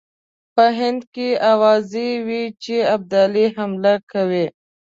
په هند کې آوازې وې چې ابدالي حمله کوي.